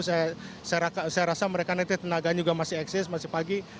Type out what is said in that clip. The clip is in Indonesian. saya rasa mereka nanti tenaganya juga masih eksis masih pagi